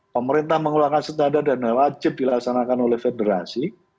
pemerintah mengeluarkan standar dana wajib dilaksanakan oleh federasi